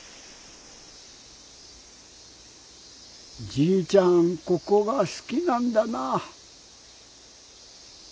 じいちゃんここがすきなんだな。